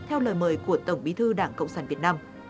theo lời mời của tổng bí thư đảng cộng sản việt nam